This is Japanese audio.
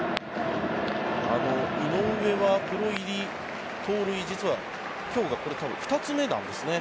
井上はプロ入り、盗塁実は今日これが２つ目なんですね。